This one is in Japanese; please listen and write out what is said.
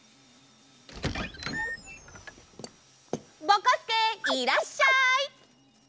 ぼこすけいらっしゃい！